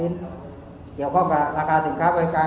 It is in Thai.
เกี่ยวกับราคาสินค้าบริการ